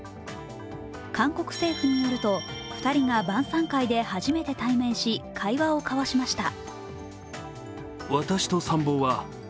韓国政府によると２人が晩さん会で初めて対面し会話を交わしました。